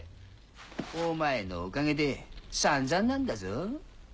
お前のおかげで散々なんだぞ。